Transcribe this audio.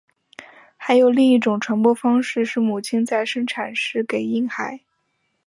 还有另一种传播方式是母亲在生产时给婴孩。